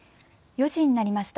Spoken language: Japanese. ４時になりました。